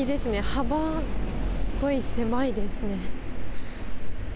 幅、すごい狭いですね。